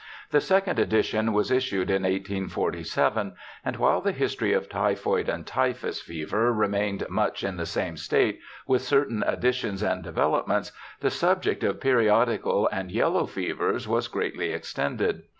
The second edition was issued in 1847, ^^id while the history of typhoid and typhus fever remained much in the same state, with certain additions and developments, the subject of periodical and yellow fevers was greatly ELISHA BARTLETT 133 extended.